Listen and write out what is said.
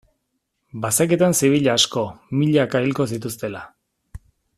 Bazekiten zibil asko, milaka, hilko zituztela.